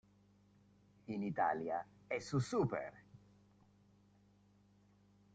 In Italia è su Super!